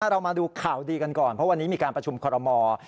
เรามาดูข่าวดีกันก่อนเพราะวันนี้มีการประชุมคอรมอล์